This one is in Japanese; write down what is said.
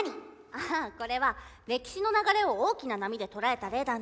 ああこれは歴史の流れを大きな波で捉えたレーダーなの。